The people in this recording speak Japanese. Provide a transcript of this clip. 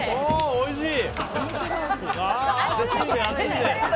おいしい！